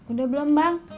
udah belum bang